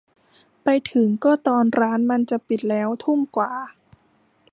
ไปถึงก็ตอนร้านมันจะปิดแล้ว ทุ่มกว่า